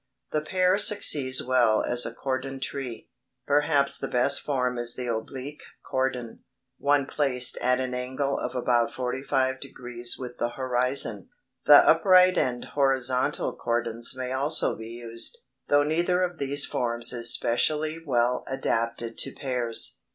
The pear succeeds well as a cordon tree. Perhaps the best form is the oblique cordon, one placed at an angle of about forty five degrees with the horizon. The upright and horizontal cordons may also be used, though neither of these forms is specially well adapted to pears.